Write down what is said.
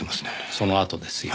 そのあとですよ。